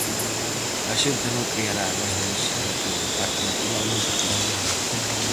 A Xunta non creará nesta lexislatura o Parque Natural Monte Pindo.